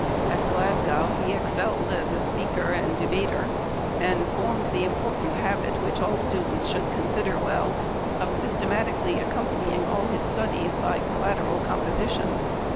At Glasgow he excelled as a speaker and debater, and formed the important habit which all students should consider well, of systematically accompany ing all his studies by collateral composition.